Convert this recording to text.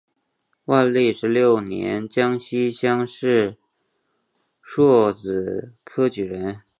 万历十六年江西乡试戊子科举人。